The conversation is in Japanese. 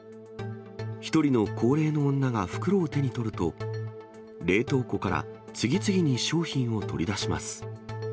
１人の高齢の女が袋を手に取ると、冷凍庫から次々に商品を取り出します。